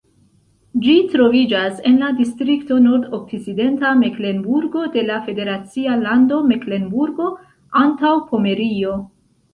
Ĝi troviĝas en la distrikto Nordokcidenta Meklenburgo de la federacia lando Meklenburgo-Antaŭpomerio.